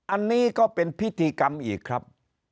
อันนี้ก็เป็นพิธีกรรมอีกครับ